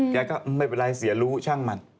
แกก็ไม่เป็นไรเสียรู้ช่างมัน